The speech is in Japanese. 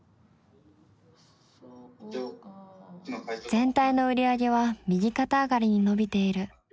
全体の売り上げは右肩上がりに伸びている。